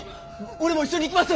俺も一緒に行きます！